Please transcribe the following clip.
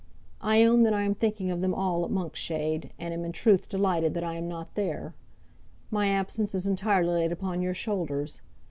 I own that I am thinking of them all at Monkshade, and am in truth delighted that I am not there. My absence is entirely laid upon your shoulders.